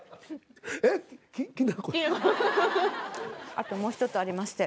あともう一つありまして。